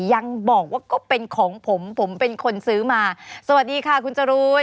ยังบอกว่าก็เป็นของผมผมเป็นคนซื้อมาสวัสดีค่ะคุณจรูน